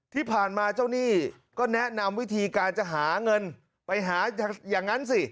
ที่ผ่านมาเจ้าหนี้ก็แนะนำวิธีการจะหาเงินไปหาอย่างนั้นสิ